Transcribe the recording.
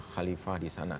khalifah di sana